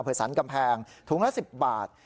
อเผษันกำแพงถุงละ๑๐บาท